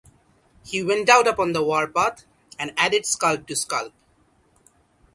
He went out upon the war-path, and added scalp to scalp.